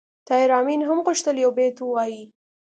طاهر آمین هم غوښتل یو بیت ووایي